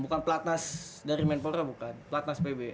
bukan platnas dari manpora bukan